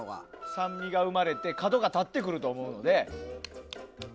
酸味が生まれて角が立ってくると思うので。